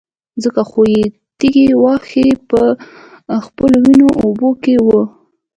ځکه خو يې تږي واښه په خپلو وينو اوبه کړي وو.